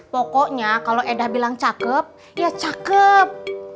pokoknya kalau edah bilang cakep ya cakep